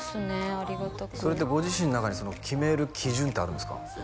ありがたくそれってご自身の中に決める基準ってあるんですか？